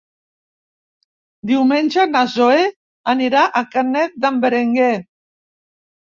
Diumenge na Zoè anirà a Canet d'en Berenguer.